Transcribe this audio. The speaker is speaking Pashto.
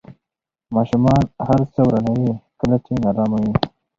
ماشومان هر څه ورانوي کله چې نارامه وي.